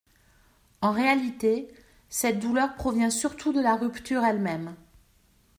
En réalité, cette douleur provient surtout de la rupture elle-même.